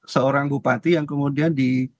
seorang bupati yang kemudian di